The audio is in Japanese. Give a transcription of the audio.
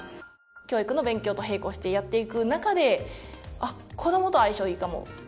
教育の勉強と並行してやっていく中であっ子どもと相性いいかも。